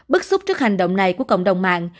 bức xúc trước hành động này của cộng đồng mạng